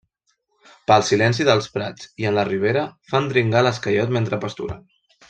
Pel silenci dels prats i en la ribera, fan dringar l'esquellot mentre pasturen.